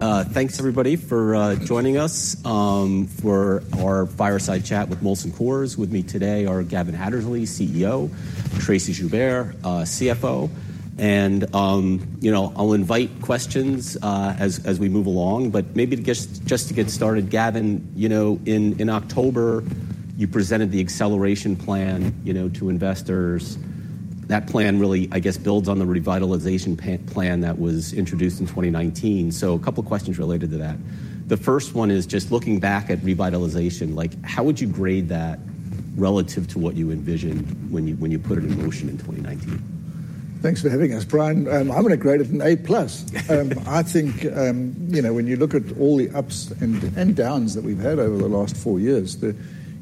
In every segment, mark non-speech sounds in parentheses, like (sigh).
Thanks everybody for joining us for our fireside chat with Molson Coors. With me today are Gavin Hattersley, CEO, Tracey Joubert, CFO. You know, I'll invite questions as we move along. But maybe just to get started, Gavin, you know, in October, you presented the acceleration plan, you know, to investors. That plan really, I guess, builds on the revitalization plan that was introduced in 2019. So a couple questions related to that. The first one is just looking back at revitalization, like, how would you grade that relative to what you envisioned when you put it in motion in 2019? Thanks for having us, Brian. I'm gonna grade it an A+. I think, you know, when you look at all the ups and, and downs that we've had over the last four years.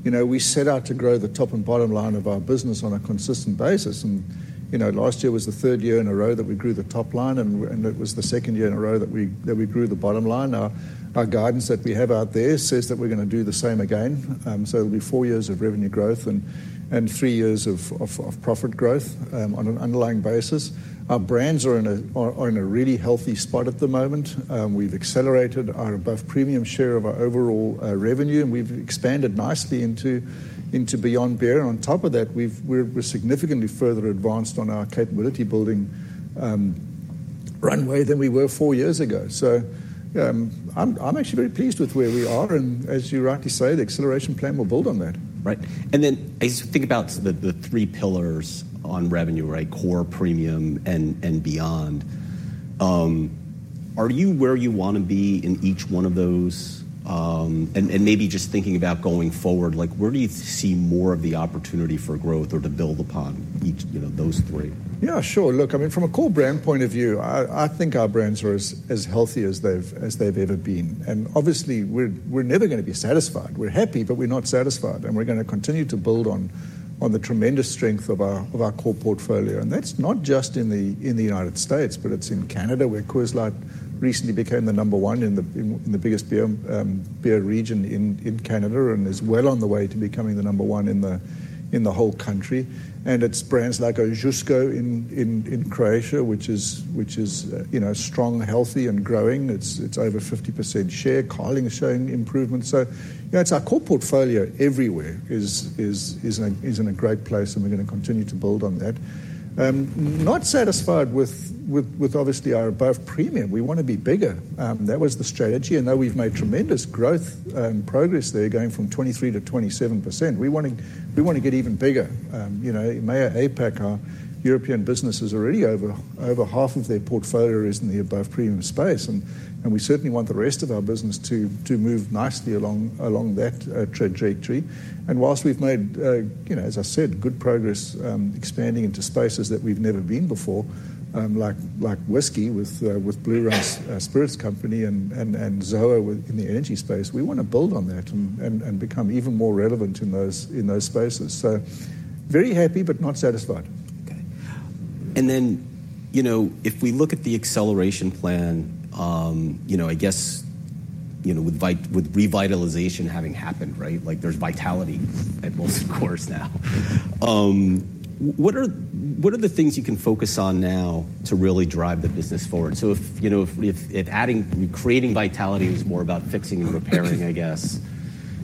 You know, we set out to grow the top and bottom line of our business on a consistent basis, and, you know, last year was the third year in a row that we grew the top line, and, and it was the second year in a row that we, that we grew the bottom line. Our guidance that we have out there says that we're gonna do the same again. So it'll be four years of revenue growth and, and three years of profit growth, on an underlying basis. Our brands are in a, are in a really healthy spot at the moment. We've accelerated our above-premium share of our overall revenue, and we've expanded nicely into beyond beer. On top of that, we're significantly further advanced on our capability building runway than we were four years ago. So, I'm actually very pleased with where we are, and as you rightly say, the Acceleration Plan will build on that. Right. And then I just think about the three pillars on revenue, right? Core, Premium, and Beyond. Are you where you wanna be in each one of those? And maybe just thinking about going forward, like, where do you see more of the opportunity for growth or to build upon each, you know, those three? Yeah, sure. Look, I mean, from a core brand point of view, I think our brands are as healthy as they've ever been. And obviously, we're never gonna be satisfied. We're happy, but we're not satisfied, and we're gonna continue to build on the tremendous strength of our core portfolio. And that's not just in the United States, but it's in Canada, where Coors Light recently became the number one in the biggest beer region in Canada and is well on the way to becoming the number one in the whole country. And it's brands like Ožujsko in Croatia, which is, you know, strong, healthy, and growing. It's over 50% share. Carling is showing improvements. So, you know, it's our core portfolio everywhere is in a great place, and we're gonna continue to build on that. Not satisfied with, obviously, our above-premium. We wanna be bigger. That was the strategy, and now we've made tremendous growth, progress there, going from 23%-27%. We wanna get even bigger. You know, in EMEA, APAC, our European business is already over half of their portfolio is in the above-premium space, and we certainly want the rest of our business to move nicely along that trajectory. Whilst we've made, you know, as I said, good progress, expanding into spaces that we've never been before, like whiskey with Blue Run Spirits Company and ZOA, in the energy space, we wanna build on that and become even more relevant in those spaces. So very happy, but not satisfied. Okay. Then, you know, if we look at the Acceleration Plan, you know, I guess, you know, with revitalization having happened, right? Like, there's vitality at Molson Coors now. What are the things you can focus on now to really drive the business forward? So if adding, creating vitality was more about fixing and repairing, I guess,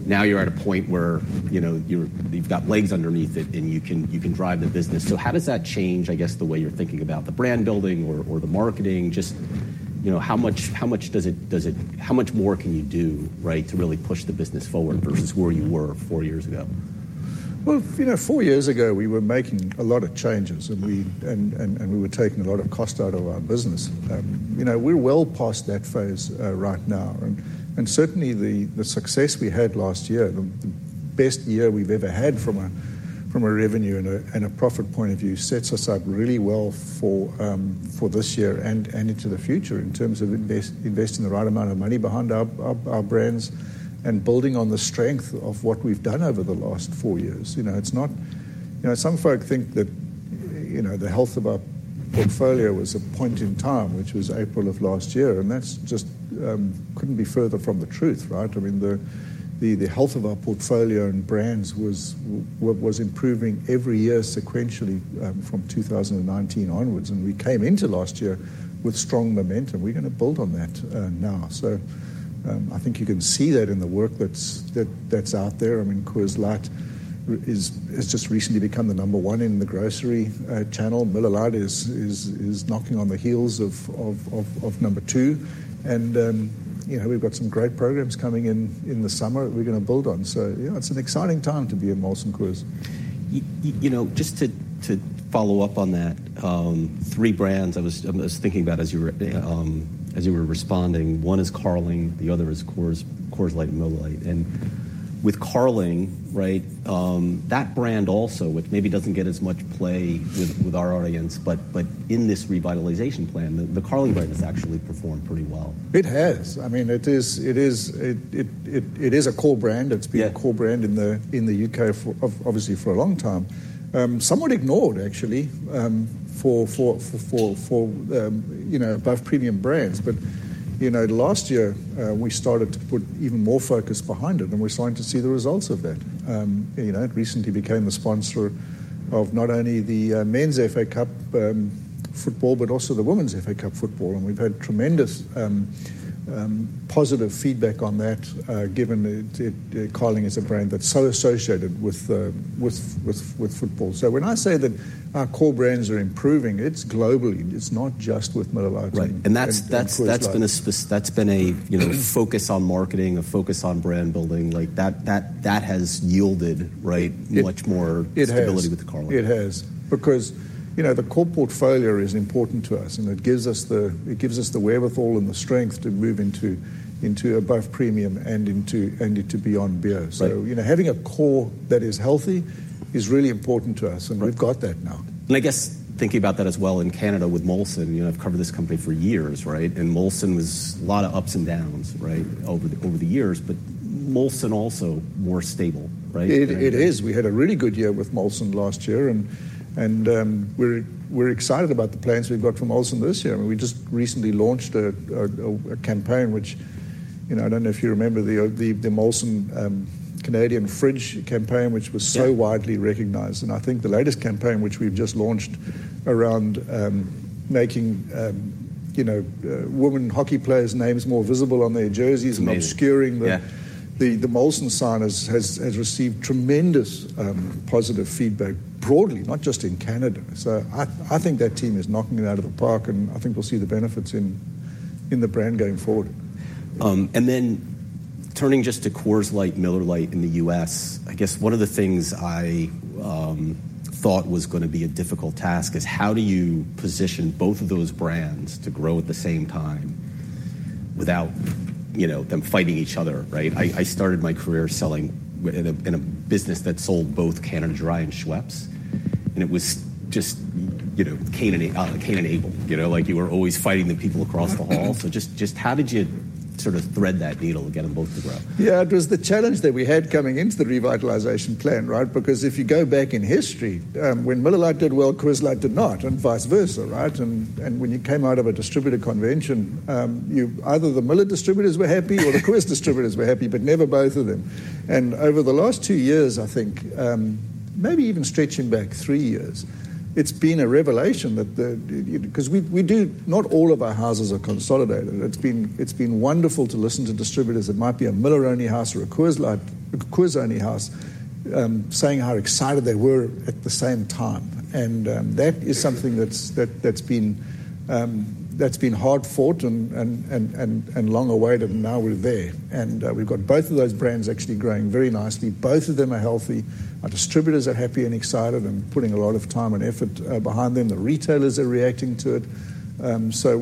now you're at a point where, you know, you've got legs underneath it, and you can drive the business. So how does that change, I guess, the way you're thinking about the brand building or the marketing? Just, you know, how much more can you do, right, to really push the business forward versus where you were four years ago? Well, you know, four years ago, we were making a lot of changes, and we were taking a lot of cost out of our business. You know, we're well past that phase right now, and certainly the success we had last year, the best year we've ever had from a revenue and a profit point of view, sets us up really well for this year and into the future in terms of investing the right amount of money behind our brands and building on the strength of what we've done over the last four years. You know, it's not. You know, some folk think that, you know, the health of our portfolio was a point in time, which was April of last year, and that's just, couldn't be further from the truth, right? I mean, the health of our portfolio and brands was improving every year sequentially, from 2019 onwards, and we came into last year with strong momentum. We're gonna build on that, now. So, I think you can see that in the work that's out there. I mean, Coors Light has just recently become the number one in the grocery channel. Miller Lite is knocking on the heels of number two. And, you know, we've got some great programs coming in the summer that we're gonna build on. You know, it's an exciting time to be at Molson Coors. You know, just to follow up on that, three brands I was thinking about as you were responding, one is Carling, the other is Coors Light, and Miller Lite. And with Carling, right, that brand also, which maybe doesn't get as much play with our audience, but in this Revitalization Plan, the Carling brand has actually performed pretty well. It has. I mean, it is a core brand. Yeah. It's been a core brand in the U.K., obviously, for a long time. Somewhat ignored, actually, for above-premium brands, but, you know, last year, we started to put even more focus behind it, and we're starting to see the results of that. You know, it recently became the sponsor of not only the men's FA Cup football, but also the Women's FA Cup football, and we've had tremendous positive feedback on that, given that Carling is a brand that's so associated with football. So when I say that our core brands are improving, it's globally. It's not just with Miller Lite. Right. And that's been a, you know, focus on marketing, a focus on brand building. Like, that has yielded, right, much more. It has. Stability with the core line. It has. Because, you know, the core portfolio is important to us, and it gives us the wherewithal and the strength to move into both premium and beyond beer. Right. So, you know, having a core that is healthy is really important to us, and we've got that now. I guess thinking about that as well in Canada with Molson, you know, I've covered this company for years, right? Molson was a lot of ups and downs, right, over the years, but Molson also more stable, right? It is. We had a really good year with Molson last year, and we're excited about the plans we've got from Molson this year. I mean, we just recently launched a campaign, which, you know, I don't know if you remember the Molson Canadian Fridge campaign, which was. Yeah .So widely recognized. And I think the latest campaign, which we've just launched around, making, you know, woman hockey players' names more visible on their jerseys. Amazing And obscuring the. Yeah The Molson sign has received tremendous positive feedback broadly, not just in Canada. So I think that team is knocking it out of the park, and I think we'll see the benefits in the brand going forward. Then turning just to Coors Light, Miller Lite in the U.S., I guess one of the things I thought was gonna be a difficult task is, how do you position both of those brands to grow at the same time without, you know, them fighting each other, right? I started my career selling in a business that sold both Canada Dry and Schweppes, and it was just, you know, Cain and Abel. You know, like, you were always fighting the people across the hall. So just how did you sort of thread that needle to get them both to grow? Yeah, it was the challenge that we had coming into the Revitalization Plan, right? Because if you go back in history, when Miller Lite did well, Coors Light did not, and vice versa, right? When you came out of a distributor convention, you either the Miller distributors were happy or the Coors distributors were happy, but never both of them. Over the last two years, I think, maybe even stretching back three years, it's been a revelation that because not all of our houses are consolidated. It's been wonderful to listen to distributors. It might be a Miller-only house or a Coors Light, a Coors-only house, saying how excited they were at the same time. That is something that's been hard-fought and long awaited, and now we're there. We've got both of those brands actually growing very nicely. Both of them are healthy. Our distributors are happy and excited and putting a lot of time and effort behind them. The retailers are reacting to it. So,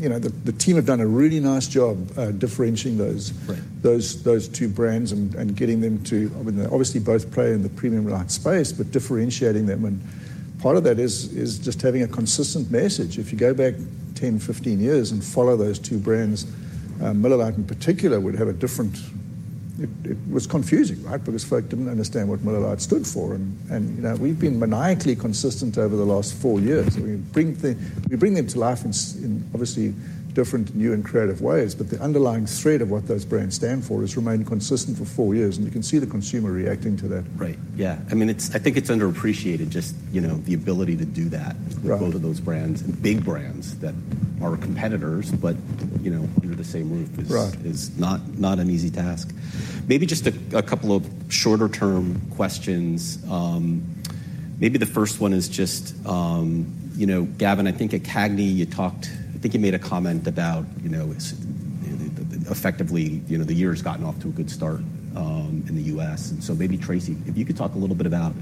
you know, the team have done a really nice job differentiating those. Right Those two brands and getting them to, I mean, they obviously both play in the premium light space, but differentiating them. And part of that is just having a consistent message. If you go back 10, 15 years and follow those two brands, Miller Lite in particular, would have a different. It was confusing, right? Because folks didn't understand what Miller Lite stood for. And you know, we've been maniacally consistent over the last four years. We bring them to life in obviously different, new and creative ways, but the underlying thread of what those brands stand for has remained consistent for four years, and you can see the consumer reacting to that. Right. Yeah. I mean, I think it's underappreciated, just, you know, the ability to do that. Right With both of those brands and big brands that are competitors, but, you know, under the same roof. Right Is not an easy task. Maybe just a couple of shorter term questions. Maybe the first one is just, you know, Gavin, I think at CAGNY, you talked. I think you made a comment about, you know, effectively, you know, the year has gotten off to a good start, in the U.S. And so maybe, Tracey, if you could talk a little bit about,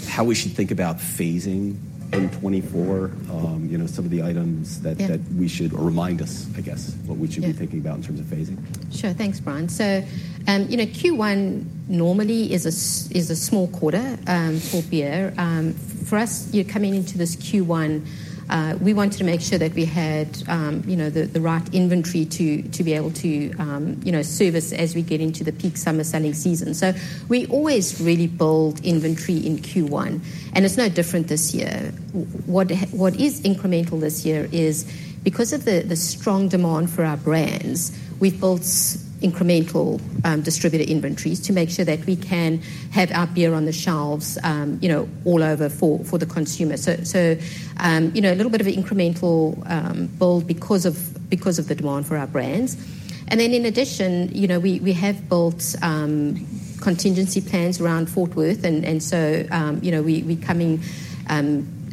how we should think about phasing in 2024, you know, some of the items that. Yeah That we should, or remind us, I guess, what we should. Yeah Be thinking about in terms of phasing. Sure. Thanks, Brian. So, you know, Q1 normally is a small quarter for beer. For us, you're coming into this Q1, we wanted to make sure that we had, you know, the right inventory to be able to, you know, service as we get into the peak summer selling season. So we always really build inventory in Q1, and it's no different this year. What is incremental this year is, because of the strong demand for our brands, we've built incremental distributor inventories to make sure that we can have our beer on the shelves, you know, all over for the consumer. So, you know, a little bit of an incremental build because of the demand for our brands. In addition, you know, we have built contingency plans around Fort Worth, and so, you know, we are coming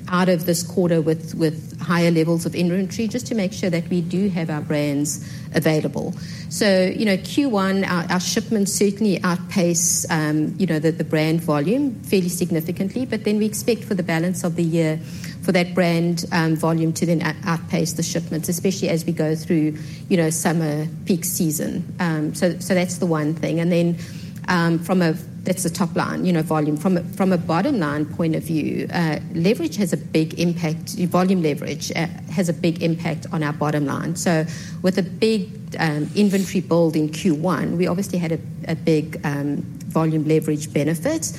out of this quarter with higher levels of inventory just to make sure that we do have our brands available. So, you know, Q1, our shipments certainly outpace the brand volume fairly significantly, but then we expect for the balance of the year for that brand volume to then outpace the shipments, especially as we go through, you know, summer peak season. So, that's the one thing. And then, that's the top line, you know, volume. From a bottom-line point of view, leverage has a big impact. Volume leverage has a big impact on our bottom line. So with a big inventory build in Q1, we obviously had a big volume leverage benefit.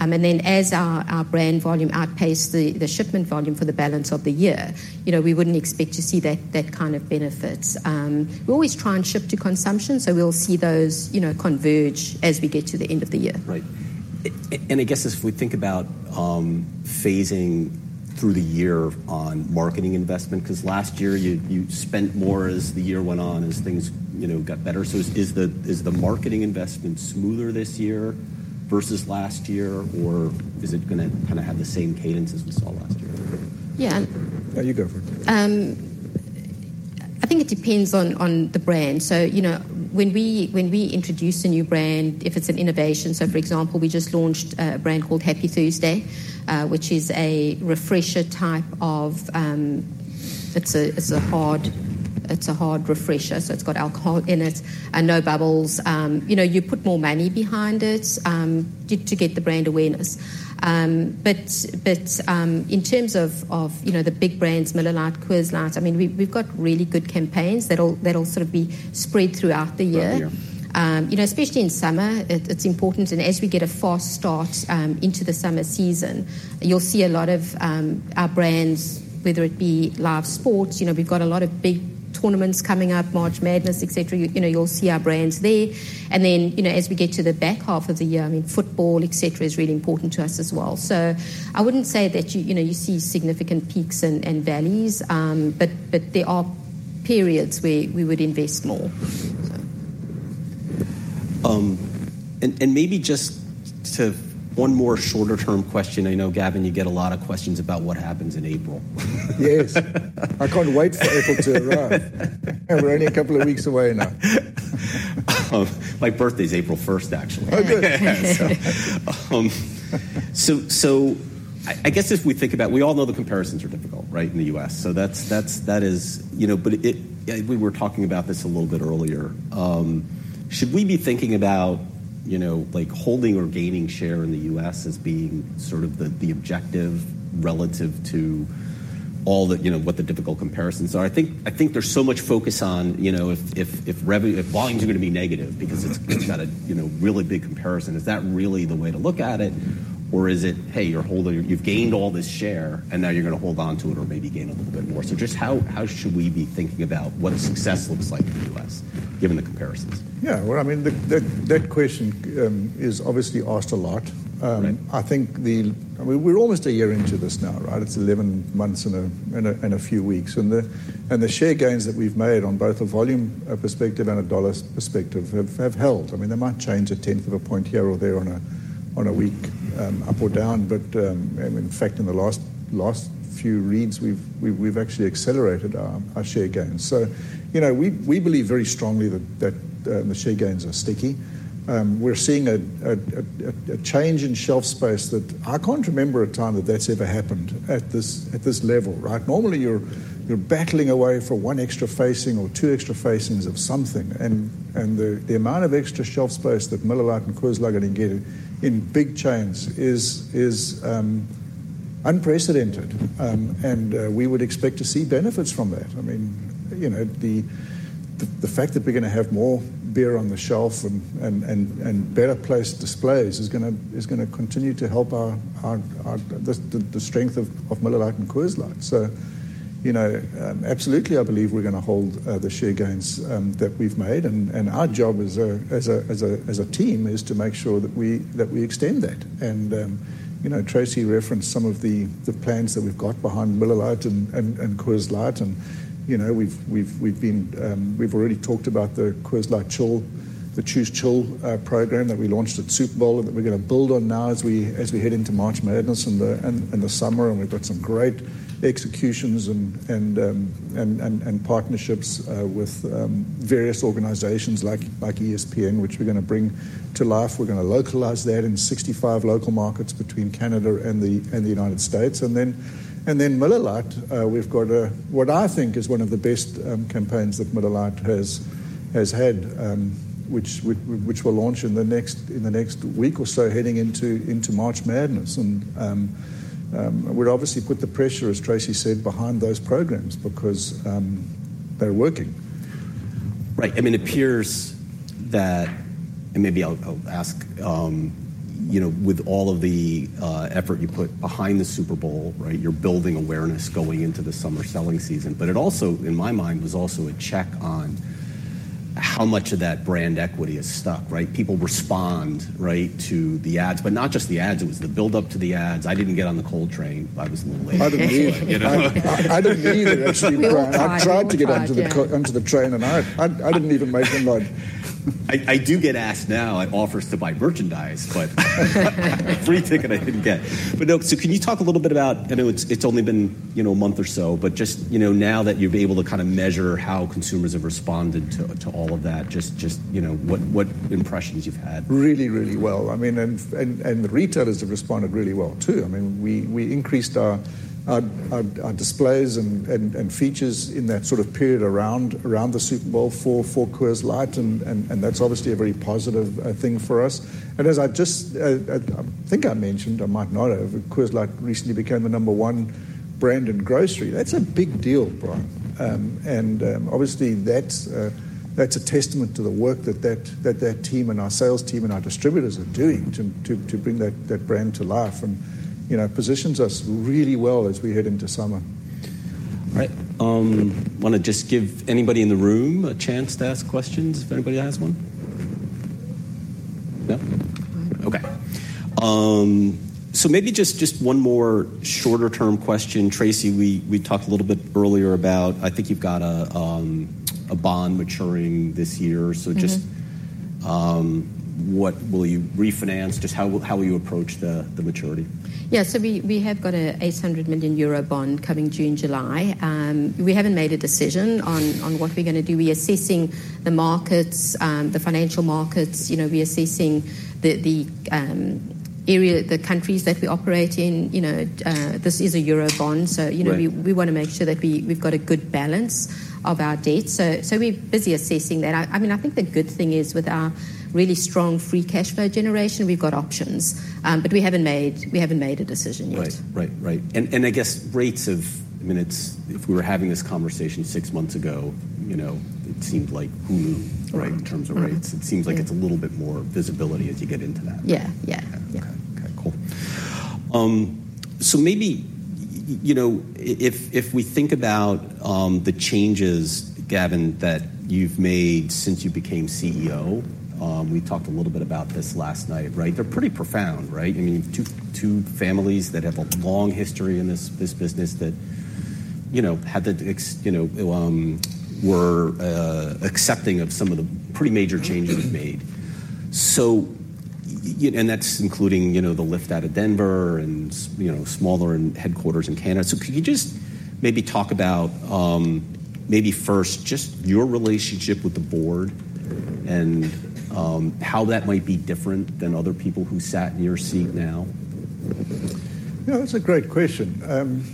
And then as our brand volume outpaces the shipment volume for the balance of the year, you know, we wouldn't expect to see that kind of benefits. We always try and ship to consumption, so we'll see those, you know, converge as we get to the end of the year. Right. And I guess as we think about phasing through the year on marketing investment? Because last year, you spent more as the year went on, as things, you know, got better. So is the marketing investment smoother this year versus last year, or is it gonna kind of have the same cadence as we saw last year? Yeah. Yeah, you go for it. I think it depends on the brand. So, you know, when we introduce a new brand, if it's an innovation, so for example, we just launched a brand called Happy Thursday, which is a refresher type of, it's a hard refresher, so it's got alcohol in it and no bubbles. You know, you put more money behind it, to get the brand awareness. But, in terms of, you know, the big brands, Miller Lite, Coors Light, I mean, we've got really good campaigns that'll sort of be spread throughout the year. Throughout the year. You know, especially in summer, it's important, and as we get a fast start into the summer season, you'll see a lot of our brands, whether it be live sports. You know, we've got a lot of big tournaments coming up, March Madness, etc.. You know, you'll see our brands there. And then, you know, as we get to the back half of the year, I mean, football, etc., is really important to us as well. So I wouldn't say that you, you know, you see significant peaks and valleys, but there are periods where we would invest more, so. Maybe just to one more shorter term question. I know, Gavin, you get a lot of questions about what happens in April. Yes. I can't wait for April to arrive. We're only a couple of weeks away now. My birthday is April 1st, actually. Oh, good. So, I guess if we think about, we all know the comparisons are difficult, right, in the U.S.. So that's, you know, but it, we were talking about this a little bit earlier. Should we be thinking about, you know, like, holding or gaining share in the U.S. as being sort of the objective relative to all the, you know, what the difficult comparisons are? I think there's so much focus on, you know, if revenue- if volumes are gonna be negative because it's. Mm-hmm It's got a, you know, really big comparison. Is that really the way to look at it? Or is it, "Hey, you're holding- you've gained all this share, and now you're gonna hold on to it or maybe gain a little bit more?" So just how should we be thinking about what success looks like in the U.S., given the comparisons? Yeah, well, I mean, that question is obviously asked a lot. Right. I think the, we're almost a year into this now, right? It's 11 months and a few weeks, and the share gains that we've made on both a volume perspective and a dollar perspective have held. I mean, they might change a tenth of a point here or there on a week up or down, but, I mean, in fact, in the last few reads, we've actually accelerated our share gains. So, you know, we believe very strongly that the share gains are sticky. We're seeing a change in shelf space that I can't remember a time that that's ever happened at this level, right? Normally, you're battling away for one extra facing or two extra facings of something. The amount of extra shelf space that Miller Lite and Coors Light are getting in big chains is unprecedented, and we would expect to see benefits from that. I mean, you know, the fact that we're gonna have more beer on the shelf and better placed displays is gonna continue to help the strength of Miller Lite and Coors Light. So, you know, absolutely, I believe we're gonna hold the share gains that we've made. And our job as a team is to make sure that we extend that. And, you know, Tracey referenced some of the plans that we've got behind Miller Lite and Coors Light. And, you know, we've been, we've already talked about the Coors Light Chill, the Choose Chill program that we launched at Super Bowl, and that we're gonna build on now as we head into March Madness and the summer. We've got some great executions and partnerships with various organizations like ESPN, which we're gonna bring to life. We're gonna localize that in 65 local markets between Canada and the United States. Then Miller Lite, we've got what I think is one of the best campaigns that Miller Lite has had, which we'll launch in the next week or so, heading into March Madness. We'd obviously put the pressure, as Tracey said, behind those programs because they're working. Right. I mean, it appears that, and maybe I'll ask, you know, with all of the effort you put behind the Super Bowl, right? You're building awareness going into the summer selling season, but it also, in my mind, was also a check on how much of that brand equity is stuck, right? People respond, right, to the ads, but not just the ads, it was the build-up to the ads. I didn't get on the chill train. I was a little late. I didn't either. (crosstalk) Onto the train, and I didn't even make the ride. I do get asked now and offers to buy merchandise, but free ticket I didn't get. But, look, so can you talk a little bit about, I know it's only been, you know, a month or so, but just, you know, now that you've been able to kind of measure how consumers have responded to all of that, just, you know, what impressions you've had? Really, really well. I mean, the retailers have responded really well, too. I mean, we increased our displays and features in that sort of period around the Super Bowl for Coors Light, and that's obviously a very positive thing for us. And as I've just, I think I mentioned, I might not have. Coors Light recently became the number one brand in grocery. That's a big deal, Brian. And obviously, that's a testament to the work that team and our sales team and our distributors are doing to bring that brand to life and, you know, positions us really well as we head into summer. All right. Wanna just give anybody in the room a chance to ask questions, if anybody has one? No? Okay. So maybe just one more shorter term question. Tracey, we talked a little bit earlier about, I think you've got a bond maturing this year. Mm-hmm. So just, what will you refinance? Just how will you approach the maturity? Yeah, so we have got an 800 million euro bond coming June, July. We haven't made a decision on what we're gonna do. We're assessing the markets, the financial markets. You know, we're assessing the area, the countries that we operate in. You know, this is a euro bond. Right So you know, we wanna make sure that we've got a good balance of our debt. So we're busy assessing that. I mean, I think the good thing is, with our really strong free cash flow generation, we've got options. But we haven't made a decision yet. Right. Right, right. I guess rates of, I mean, it's if we were having this conversation six months ago, you know, it seemed like who knew. Right In terms of rates. Mm-hmm. It seems like it's a little bit more visibility as you get into that. Yeah, yeah. Yeah. Yeah. Okay, cool. So maybe, you know, if we think about the changes, Gavin, that you've made since you became CEO, we talked a little bit about this last night, right? They're pretty profound, right? I mean, two families that have a long history in this this business that, you know, had to accept some of the pretty major changes made. And that's including, you know, the lift out of Denver and, you know, smaller headquarters in Canada. So could you just maybe talk about, maybe first, just your relationship with the board and how that might be different than other people who sat in your seat now? Yeah, that's a great question.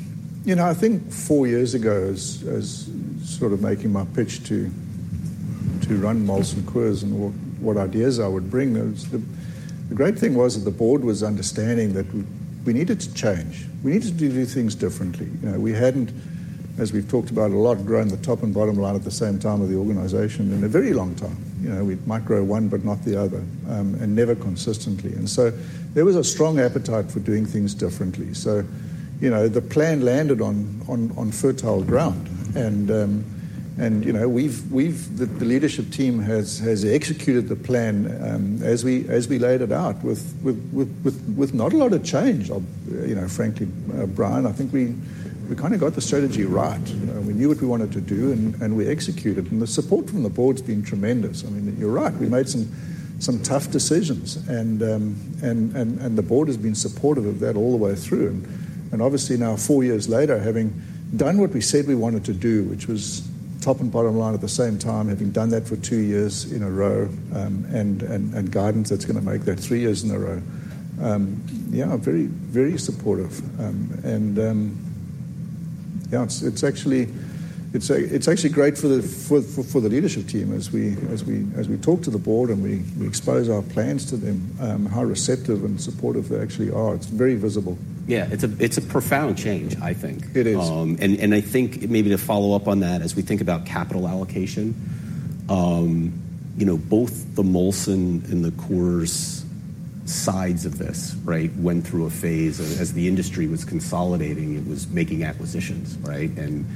You know, I think four years ago, as sort of making my pitch to run Molson Coors, and what ideas I would bring, the great thing was that the board was understanding that we needed to change. We needed to do things differently. You know, we hadn't, as we've talked about a lot, grown the top and bottom line at the same time of the organization in a very long time. You know, we might grow one, but not the other, and never consistently. And so there was a strong appetite for doing things differently. So, you know, the plan landed on fertile ground. You know, the leadership team has executed the plan as we laid it out with not a lot of change. You know, frankly, Brian, I think we kind of got the strategy right. You know, we knew what we wanted to do, and we executed it. And the support from the board's been tremendous. I mean, you're right, we made some tough decisions, and the board has been supportive of that all the way through. And obviously now, four years later, having done what we said we wanted to do, which was top and bottom line at the same time, having done that for two years in a row, and guidance that's gonna make that three years in a row. Yeah, very, very supportive. Yeah, it's actually great for the leadership team as we talk to the board and we expose our plans to them, how receptive and supportive they actually are. It's very visible. Yeah, it's a, it's a profound change, I think. It is. And I think maybe to follow up on that, as we think about capital allocation, you know, both the Molson and the Coors sides of this, right, went through a phase as the industry was consolidating, it was making acquisitions, right? And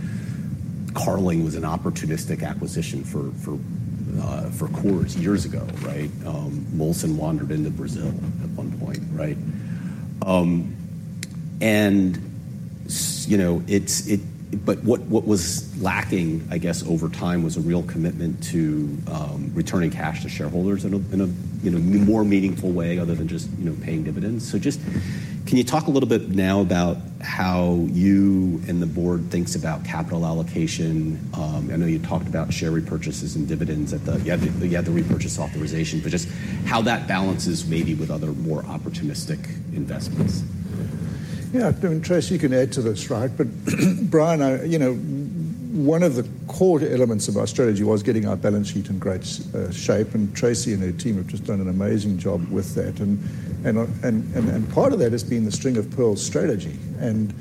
Carling was an opportunistic acquisition for Coors years ago, right? Molson wandered into Brazil at one point, right? You know, but what was lacking, I guess, over time, was a real commitment to returning cash to shareholders in a more meaningful way other than just, you know, paying dividends. So just, can you talk a little bit now about how you and the board thinks about capital allocation? I know you talked about share repurchases and dividends you had the repurchase authorization, but just how that balances maybe with other more opportunistic investments. Yeah, and Tracey, you can add to this, right? But Brian, you know, one of the core elements of our strategy was getting our balance sheet in great shape, and Tracey and her team have just done an amazing job with that. And part of that has been the String of Pearls strategy. And,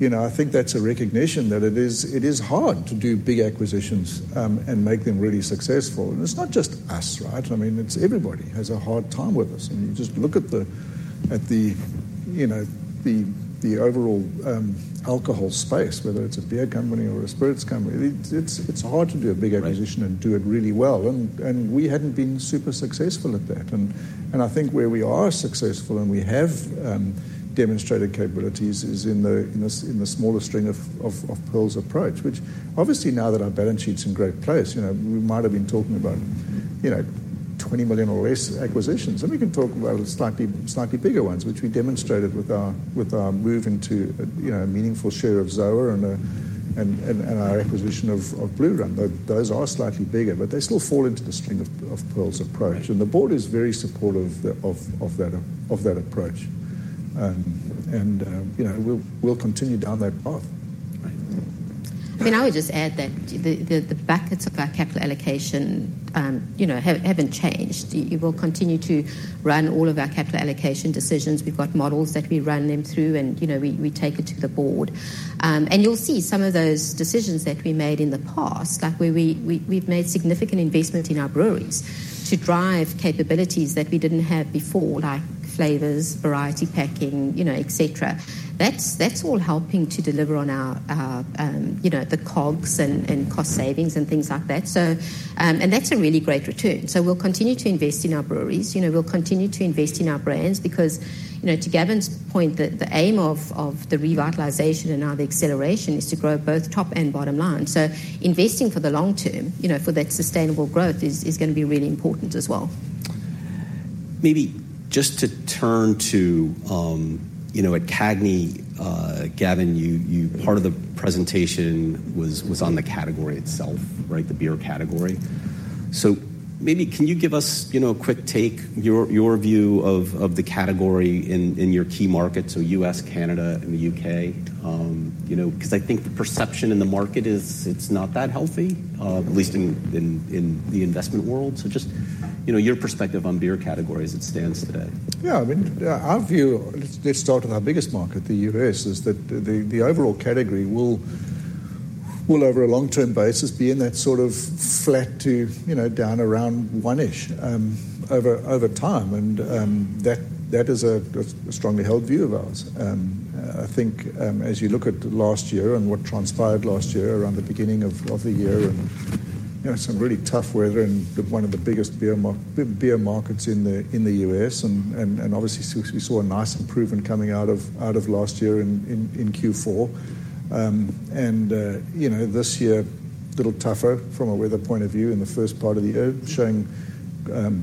you know, I think that's a recognition that it is hard to do big acquisitions and make them really successful. And it's not just us, right? I mean, it's everybody has a hard time with this. I mean, you just look at the, you know, the overall alcohol space, whether it's a beer company or a spirits company, it's hard to do a big acquisition and do it really well. And we hadn't been super successful at that. And I think where we are successful, and we have demonstrated capabilities, is in the smaller String of Pearls approach, which obviously now that our balance sheet's in great place, you know, we might have been talking about, you know, $20 million or less acquisitions, and we can talk about slightly bigger ones, which we demonstrated with our move into, you know, a meaningful share of ZOA and our acquisition of Blue Run. Those are slightly bigger, but they still fall into the String of Pearls approach. The board is very supportive of that approach. You know, we'll continue down that path. Right. And I would just add that the buckets of our capital allocation, you know, haven't changed. We will continue to run all of our capital allocation decisions. We've got models that we run them through, and, you know, we take it to the board. And you'll see some of those decisions that we made in the past, like where we've made significant investments in our breweries to drive capabilities that we didn't have before, like flavors, variety packing, you know, etc.. That's all helping to deliver on our, you know, the COGS and cost savings and things like that. So, and that's a really great return. So we'll continue to invest in our breweries. You know, we'll continue to invest in our brands because, you know, to Gavin's point, the aim of the revitalization and now the acceleration is to grow both top and bottom line. So investing for the long term, you know, for that sustainable growth is gonna be really important as well. Maybe just to turn to, you know, at CAGNY, Gavin, you part of the presentation was on the category itself, right? The beer category. So maybe can you give us, you know, a quick take, your view of the category in your key markets, so U.S., Canada, and the U.K.? You know, because I think the perception in the market is it's not that healthy, at least in the investment world. So just, you know, your perspective on beer category as it stands today. Yeah, I mean, our view, let's start with our biggest market, the U.S., is that the overall category will, over a long-term basis, be in that sort of flat to, you know, down around 1%-ish, over time, and that is a strongly held view of ours. I think, as you look at last year and what transpired last year around the beginning of the year, and, you know, some really tough weather in one of the biggest beer markets in the U.S., and obviously, we saw a nice improvement coming out of last year in Q4. You know, this year a little tougher from a weather point of view in the first part of the year, showing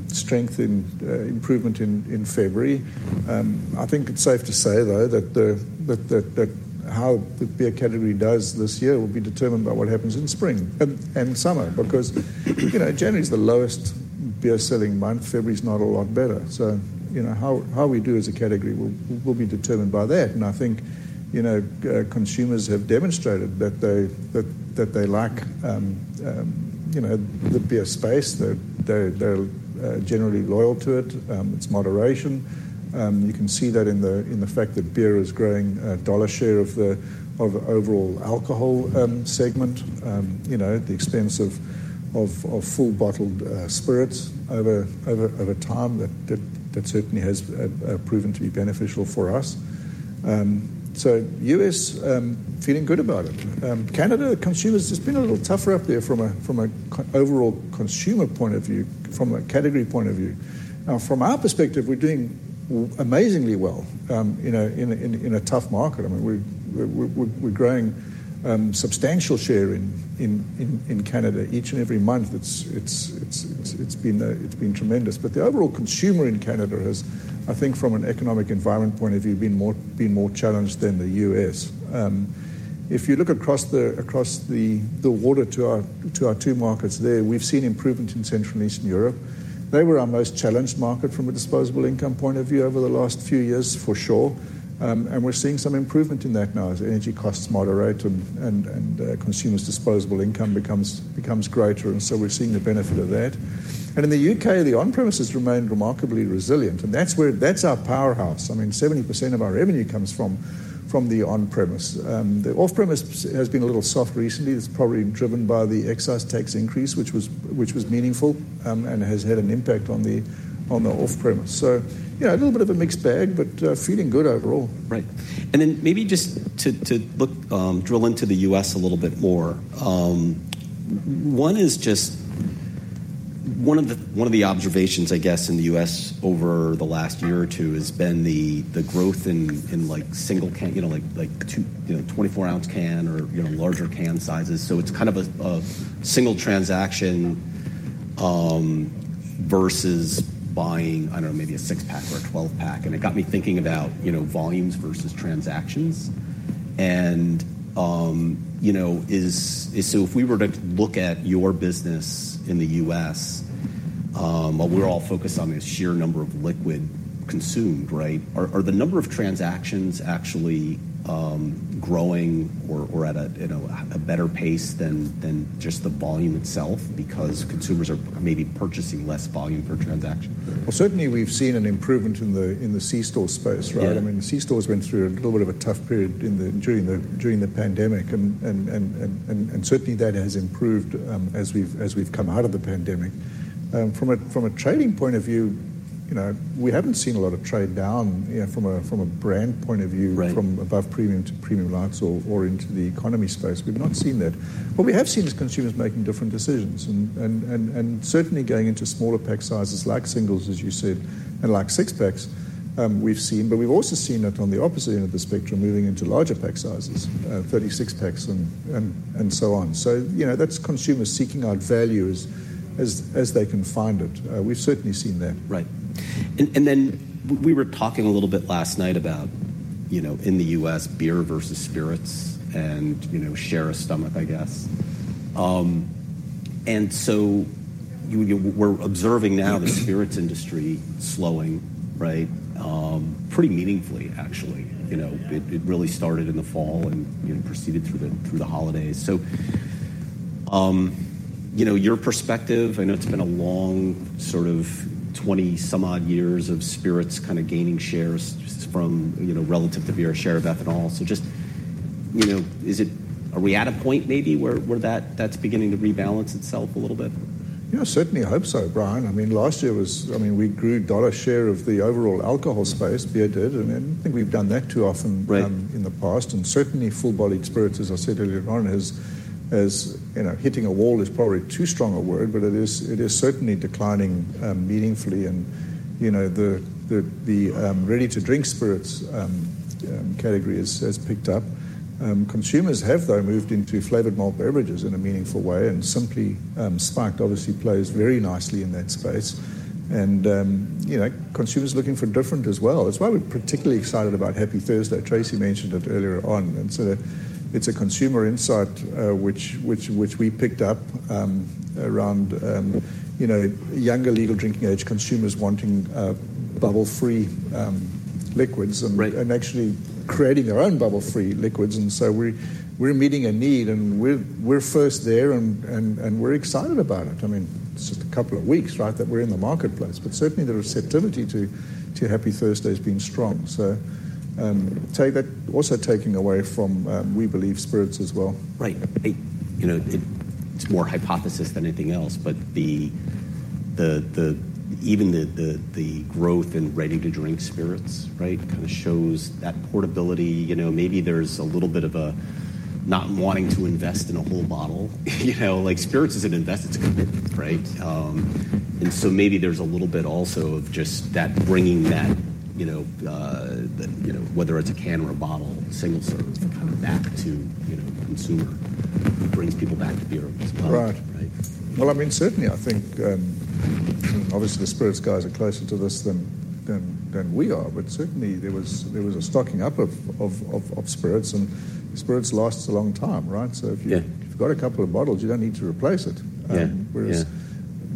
strength and improvement in February. I think it's safe to say, though, that how the beer category does this year will be determined by what happens in spring and summer, because you know, January's the lowest beer-selling month. February's not a lot better, so you know, how we do as a category will be determined by that. And I think, you know, consumers have demonstrated that they like you know, the beer space. That they're generally loyal to it. It's moderation. You can see that in the fact that beer is growing dollar share of the overall alcohol segment, you know, at the expense of full bottled spirits over time. That certainly has proven to be beneficial for us. So U.S., feeling good about it. Canada, consumers, it's been a little tougher up there from a overall consumer point of view, from a category point of view. From our perspective, we're doing amazingly well, you know, in a tough market. I mean, we're growing substantial share in Canada each and every month. It's been tremendous. But the overall consumer in Canada has, I think, from an economic environment point of view, been more, been more challenged than the U.S.. If you look across the water to our two markets there, we've seen improvement in Central and Eastern Europe. They were our most challenged market from a disposable income point of view over the last few years, for sure, and we're seeing some improvement in that now as energy costs moderate and consumers' disposable income becomes greater, and so we're seeing the benefit of that. And in the U.K., the on-premise remained remarkably resilient, and that's where, that's our powerhouse. I mean, 70% of our revenue comes from the on-premise. The off-premise has been a little soft recently. That's probably driven by the excise tax increase, which was meaningful, and has had an impact on the off-premise. So yeah, a little bit of a mixed bag, but feeling good overall. Right. And then maybe just to look, drill into the U.S. a little bit more. One is just one of the observations, I guess, in the U.S. over the last year or two has been the growth in, like, single can, you know, like, two, you know, 24 oz can or, you know, larger can sizes, so it's kind of a single transaction versus buying, I don't know, maybe a six-pack or a 12-pack, and it got me thinking about, you know, volumes versus transactions. And, you know, so if we were to look at your business in the U.S., what we're all focused on is sheer number of liquid consumed, right? Are the number of transactions actually growing or at a, you know, a better pace than just the volume itself because consumers are maybe purchasing less volume per transaction? Well, certainly we've seen an improvement in the C-store space, right? Yeah. I mean, the C-stores went through a little bit of a tough period during the pandemic, and certainly that has improved as we've come out of the pandemic. From a trading point of view, you know, we haven't seen a lot of trade down, you know, from a brand point of view. Right From above premium to premium lights or into the economy space. We've not seen that. What we have seen is consumers making different decisions and certainly going into smaller pack sizes, like singles, as you said, and like six-packs, we've seen. But we've also seen it on the opposite end of the spectrum, moving into larger pack sizes, 36 packs and so on. So, you know, that's consumers seeking out value as they can find it. We've certainly seen that. Right. And then we were talking a little bit last night about, you know, in the U.S., beer versus spirits and, you know, share of stomach, I guess. And so you, we're observing now the spirits industry slowing, right? Pretty meaningfully, actually. You know, it really started in the fall and, you know, proceeded through the holidays. So, you know, your perspective, I know it's been a long sort of 20-some-odd years of spirits kind of gaining shares just from, you know, relative to beer share of ethanol. So just, you know, is it, are we at a point maybe where that, that's beginning to rebalance itself a little bit? Yeah, certainly hope so, Brian. I mean, last year was, I mean, we grew dollar share of the overall alcohol space, beer did, and I don't think we've done that too often in the past. Right And certainly, full-bodied spirits, as I said earlier on, you know, hitting a wall is probably too strong a word, but it is certainly declining meaningfully. And you know, the ready-to-drink spirits category has picked up. Consumers have, though, moved into flavored malt beverages in a meaningful way, and Simply Spiked obviously plays very nicely in that space. And you know, consumers are looking for different as well. That's why we're particularly excited about Happy Thursday. Tracey mentioned it earlier on. And so it's a consumer insight which we picked up around you know, younger legal drinking age consumers wanting bubble-free liquids. Right. And actually creating their own bubble-free liquids. So we're meeting a need, and we're first there, and we're excited about it. I mean, it's just a couple of weeks, right, that we're in the marketplace. But certainly the receptivity to Happy Thursday has been strong. So, take that, also taking away from, we believe, spirits as well. Right. You know, it's more hypothesis than anything else, but even the growth in ready-to-drink spirits, right? Kind of shows that portability, you know, maybe there's a little bit of a not wanting to invest in a whole bottle. You know, like, spirits is an investment. It's a commitment, right? And so maybe there's a little bit also of just that bringing that, you know, that, you know, whether it's a can or a bottle, single serve, kind of back to, you know, consumer, brings people back to beer as well. Right. Right. Well, I mean, certainly I think, obviously, the spirits guys are closer to this than we are, but certainly there was a stocking up of spirits, and spirits lasts a long time, right? Yeah. If you've got a couple of bottles, you don't need to replace it. Yeah, yeah. Whereas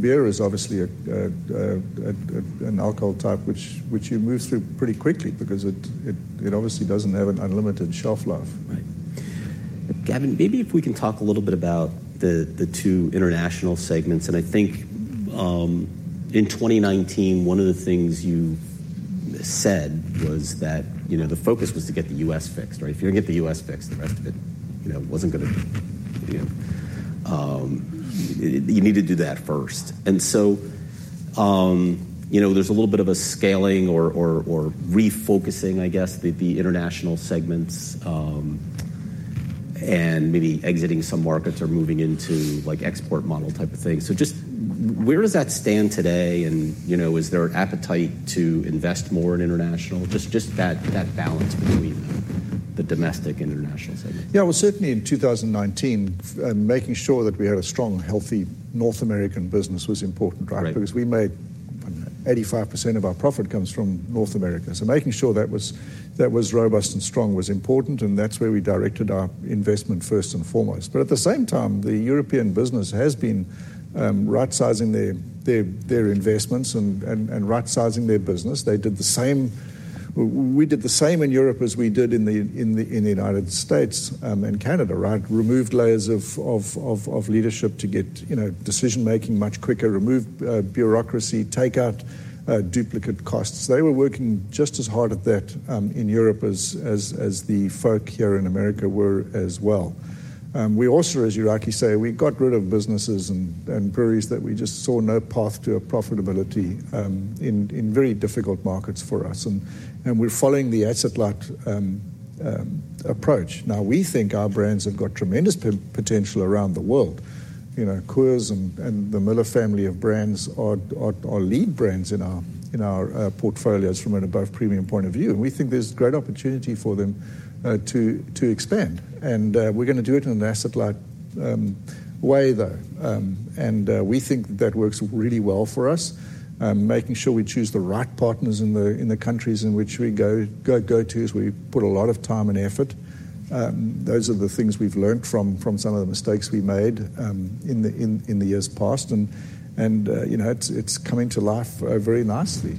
beer is obviously an alcohol type, which you move through pretty quickly because it obviously doesn't have an unlimited shelf life. Right. Gavin, maybe if we can talk a little bit about the two international segments, and I think, in 2019, one of the things you said was that, you know, the focus was to get the U.S. fixed, right? If you don't get the U.S. fixed, the rest of it, you know, wasn't gonna, you know, you need to do that first. And so, you know, there's a little bit of a scaling or refocusing, I guess, the international segments, and maybe exiting some markets or moving into, like, export model type of thing. So just where does that stand today, and, you know, is there appetite to invest more in international? Just that balance between the domestic and international segment. Yeah, well, certainly in 2019, and making sure that we had a strong, healthy North American business was important, right? Right. Because we made 85% of our profit comes from North America, so making sure that was robust and strong was important, and that's where we directed our investment first and foremost. But at the same time, the European business has been right-sizing their investments and right-sizing their business. They did the same, we did the same in Europe as we did in the United States and Canada, right? Removed layers of leadership to get, you know, decision-making much quicker, remove bureaucracy, take out duplicate costs. They were working just as hard at that in Europe as the folk here in America were as well. We also, as you rightly say, we got rid of businesses and breweries that we just saw no path to a profitability in very difficult markets for us. We're following the asset light approach. Now, we think our brands have got tremendous potential around the world. You know, Coors and the Miller family of brands are lead brands in our portfolios from an above-premium point of view. And we think there's great opportunity for them to expand, and we're gonna do it in an asset light way, though. We think that works really well for us. Making sure we choose the right partners in the countries in which we go to is we put a lot of time and effort. Those are the things we've learned from some of the mistakes we made in the years past, and you know, it's coming to life very nicely.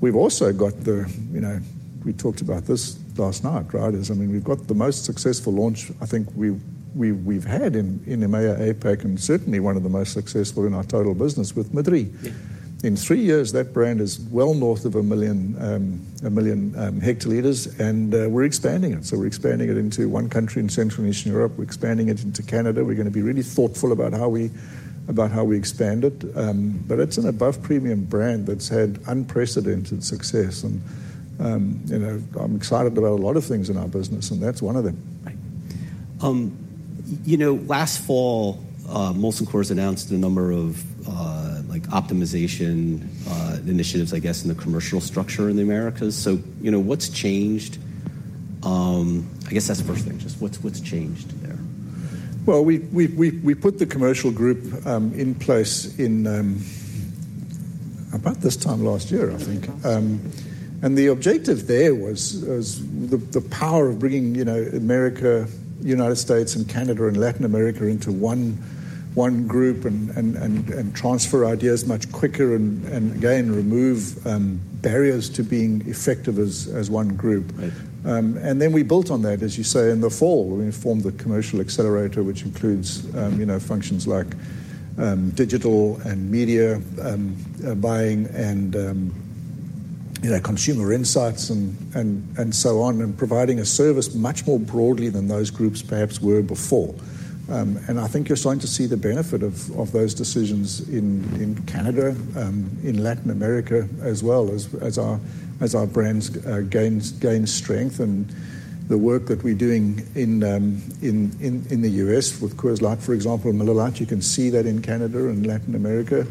We've also got the, you know, we talked about this last night, right? I mean, we've got the most successful launch I think we've had in EMEA, APAC, and certainly one of the most successful in our total business with Madrí Excepcional. In three years, that brand is well north of one million hectoliters, and we're expanding it. So we're expanding it into one country in Central and Eastern Europe. We're expanding it into Canada. We're gonna be really thoughtful about how we expand it. But it's an above-premium brand that's had unprecedented success, and you know, I'm excited about a lot of things in our business, and that's one of them. Right. You know, last fall, Molson Coors announced a number of, like, optimization initiatives, I guess, in the commercial structure in the Americas. So, you know, what's changed? I guess that's the first thing. Just what's changed there? Well, we put the commercial group in place in about this time last year, I think. And the objective there was the power of bringing, you know, America, United States, and Canada, and Latin America into one group and transfer ideas much quicker and, again, remove barriers to being effective as one group. Right. And then we built on that, as you say, in the fall. We formed the Commercial Accelerator, which includes, you know, functions like, digital and media, buying and, you know, consumer insights and so on, and providing a service much more broadly than those groups perhaps were before. And I think you're starting to see the benefit of those decisions in Canada, in Latin America, as well as our brands gain strength and the work that we're doing in the U.S. with Coors Light, for example, Miller Lite, you can see that in Canada and Latin America.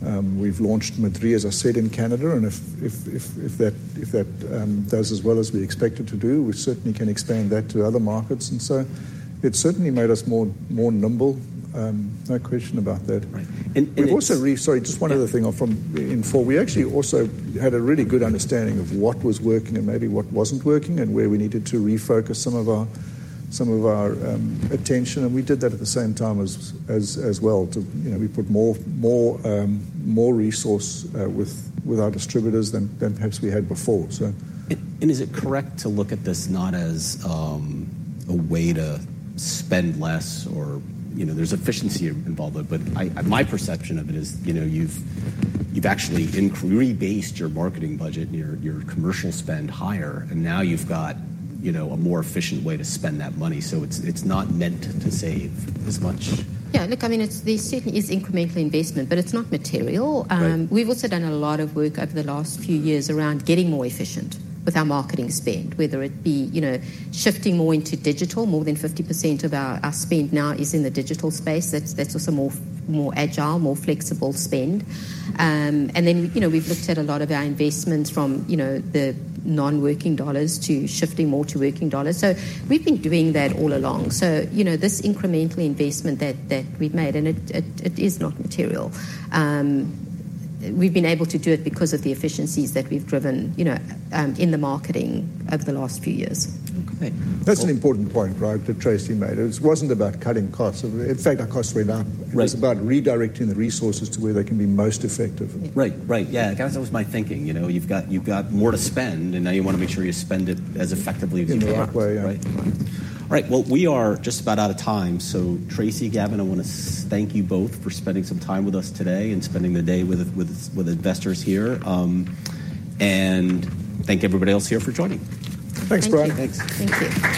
We've launched Madrí, as I said, in Canada, and if that does as well as we expect it to do, we certainly can expand that to other markets, and so it certainly made us more nimble. No question about that. Right. And it's. We've also, sorry, just one other thing from in four. We actually also had a really good understanding of what was working and maybe what wasn't working, and where we needed to refocus some of our attention, and we did that at the same time as well to, you know, we put more resource with our distributors than perhaps we had before. Is it correct to look at this not as a way to spend less or, you know, there's efficiency involved with but my perception of it is, you know, you've, you've actually increbased your marketing budget and your, your commercial spend higher, and now you've got, you know, a more efficient way to spend that money, so it's, it's not meant to save as much? Yeah, look, I mean, it's, there certainly is incremental investment, but it's not material. Right. We've also done a lot of work over the last few years around getting more efficient with our marketing spend, whether it be, you know, shifting more into digital. More than 50% of our spend now is in the digital space. That's also more agile, more flexible spend. And then, you know, we've looked at a lot of our investments from, you know, the non-working dollars to shifting more to working dollars. So we've been doing that all along. So, you know, this incremental investment that we've made, and it is not material. We've been able to do it because of the efficiencies that we've driven, you know, in the marketing over the last few years. Okay. That's an important point, right? That Tracey made. It wasn't about cutting costs. In fact, our costs went up. Right. It was about redirecting the resources to where they can be most effective. Right. Right. Yeah, that was my thinking. You know, you've got, you've got more to spend, and now you wanna make sure you spend it as effectively as you can. In the right way. Right. All right, well, we are just about out of time. So, Tracey, Gavin, I wanna thank you both for spending some time with us today and spending the day with investors here. And thank everybody else here for joining. Thanks, Brian. Thank you. Thanks. Thank you.